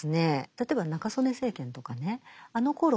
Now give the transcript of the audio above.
例えば中曽根政権とかねあのころ